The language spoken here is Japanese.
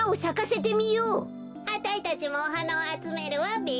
あたいたちもおはなをあつめるわべ。